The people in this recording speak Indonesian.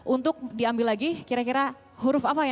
untuk diambil lagi kira kira huruf apa ya